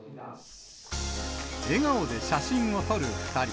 笑顔で写真を撮る２人。